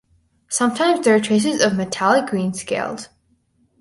Sometimes there are traces of metallic green scales.